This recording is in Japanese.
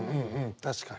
確かに。